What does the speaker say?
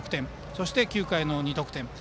そして９回の２得点。